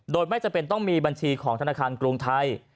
โดยไม่จำเป็นต้องมีบัญชีของธนาคารกรุงไทย